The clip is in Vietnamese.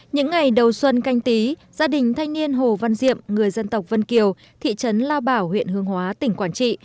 những ngày đầu xuân canh tí gia đình thanh niên hồ văn diệm người dân tộc vân kiều thị trấn lao bảo huyện hương hóa tỉnh quảng trị